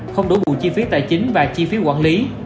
không đổi bù chi phí tài chính và chi phí quản lý